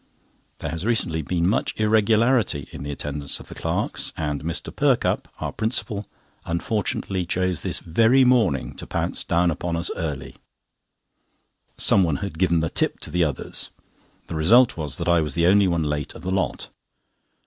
There has recently been much irregularity in the attendance of the clerks, and Mr. Perkupp, our principal, unfortunately chose this very morning to pounce down upon us early. Someone had given the tip to the others. The result was that I was the only one late of the lot.